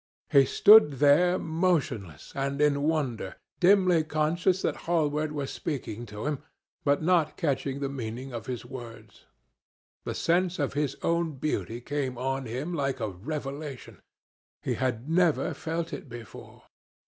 He stood there motionless and in wonder, dimly conscious that Hallward was speaking to him, but not catching the meaning of his words. The sense of his own beauty came on him like a revelation. He had never felt it before.